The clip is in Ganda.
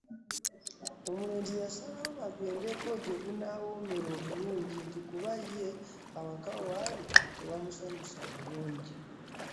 Omulenzi yasalawo bagendeko gye gunaawoomera obulungi nti kuba ye awaka waali tewamusanyusa bulungi.